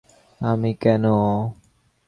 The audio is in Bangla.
আমি কেন?